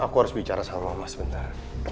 aku harus bicara sama mama sebentar